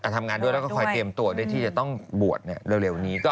แต่ทำงานด้วยแล้วก็คอยเตรียมตัวด้วยที่จะต้องบวชเร็วนี้